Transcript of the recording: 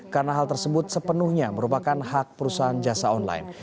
karena hal tersebut sepenuhnya merupakan hak perusahaan jasa online